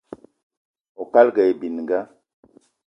Oukalga aye bininga